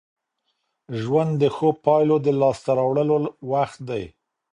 ژوند د ښو پايلو د لاسته راوړلو وخت دی.